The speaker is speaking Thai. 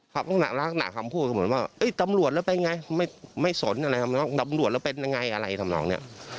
ครับหนักคำพูดเหมือนว่าเอ๊ะตำรวจแล้วเป็นไงไม่สนอะไรครับตำรวจแล้วเป็นยังไงอะไรทำหน่องเนี่ย